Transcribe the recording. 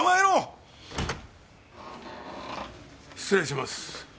失礼します。